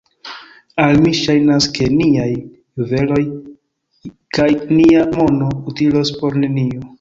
Al mi ŝajnas, ke niaj juveloj kaj nia mono utilos por nenio.